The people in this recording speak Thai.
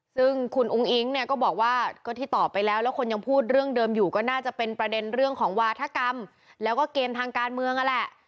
ซึ่งคุณอุ้งอิ๊งเนี่ยก็บอกว่าก็ที่ตอบไปแล้วแล้วคนยังพูดเรื่องเดิมอยู่ก็น่าจะเป็นประเด็นเรื่องของวาธกรรมแล้วก็เกมทางการเมืองนั่นแหละ